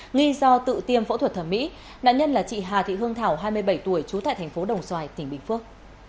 nghi do tự tiêm phẫu thuật thẩm mỹ nạn nhân là chị hà thị hương thảo hai mươi bảy tuổi trú tại thành phố đồng xoài tỉnh bình phước